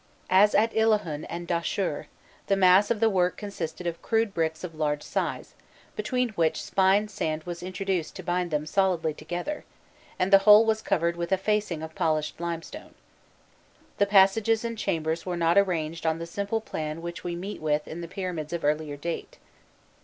As at Illahun and Dahshur, the mass of the work consisted of crude bricks of large size, between which fine sand was introduced to bind them solidly together, and the whole was covered with a facing of polished limestone. The passages and chambers are not arranged on the simple plan which we meet with in the pyramids of earlier date.